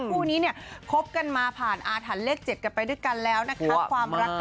คู่นี้เนี่ยคบกันมาผ่านอาถรรพ์เลข๗กันไปด้วยกันแล้วนะคะ